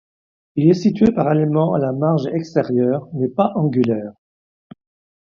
Il est situé parallèlement à la marge extérieure, mais pas angulaire.